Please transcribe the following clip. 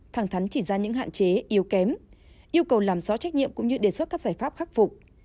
thẳng thắn chỉ ra những hạn chế yếu kém yêu cầu làm rõ trách nhiệm cũng như đề xuất các giải pháp khắc phục